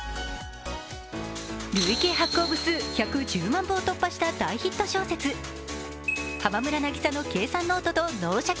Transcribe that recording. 累計発行部数１１０万部を突破した大ヒット小説、「浜村渚の計算ノート」と「脳シャキ！